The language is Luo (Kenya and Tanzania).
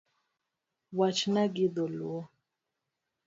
Wachna gi dholuo